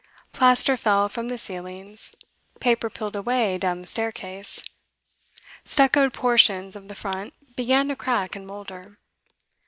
Plaster fell from the ceilings; paper peeled away down the staircase; stuccoed portions of the front began to crack and moulder.